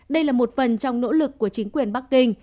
đây là một phần trong nỗ lực của chính quyền bắc kinh